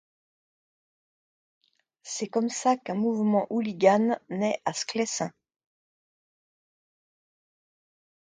C'est comme ça qu'un mouvement hooligan naît à Sclessin.